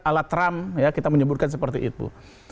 ala trump ya kita menyebutkan seperti itu